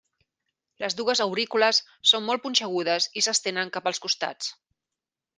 Les dues aurícules són molt punxegudes i s'estenen cap als costats.